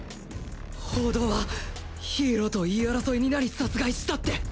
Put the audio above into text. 報道はヒーローと言い争いになり殺害したって。